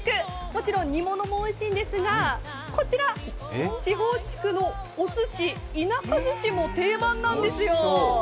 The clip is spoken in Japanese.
もちろん煮物もおいしいんですが、こちら、四方竹のおすし、いなかずしも定番なんですよ。